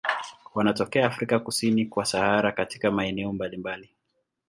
Wanatokea Afrika kusini kwa Sahara katika maeneo mbalimbali.